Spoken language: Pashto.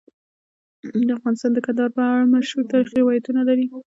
افغانستان د کندهار په اړه مشهور تاریخی روایتونه لري.